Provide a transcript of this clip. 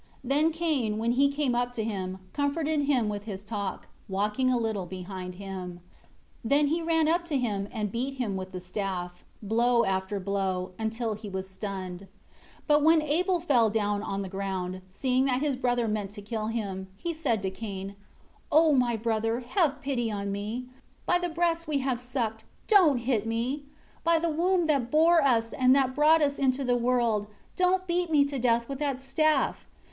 5 Then Cain, when he came up to him, comforted him with his talk, walking a little behind him; then he ran up to him and beat him with the staff, blow after blow, until he was stunned. 6 But when Abel fell down on the ground, seeing that his brother meant to kill him, he said to Cain, "O, my brother, have pity on me. By the breasts we have sucked, don't hit me! By the womb that bore us and that brought us into the world, don't beat me to death with that staff!